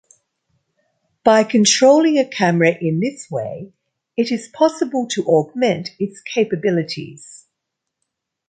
By controlling a camera in this way it is possible to augment its capabilities.